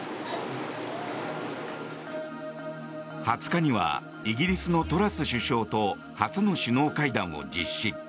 ２０日にはイギリスのトラス首相と初の首脳会談を実施。